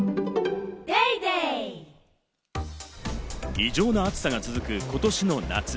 異常な暑さが続くことしの夏。